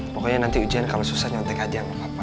pokoknya nanti ujian kalo susah nyontek aja sama papa